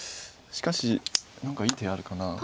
しかし何かいい手あるかな。